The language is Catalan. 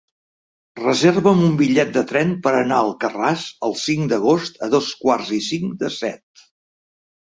Reserva'm un bitllet de tren per anar a Alcarràs el cinc d'agost a dos quarts i cinc de set.